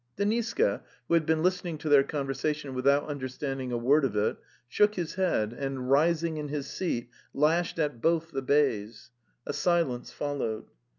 Deniska, who had been listening to their conver sation without understanding a word of it, shook his head and, rising in his seat, lashed at both the bays. A silence followed.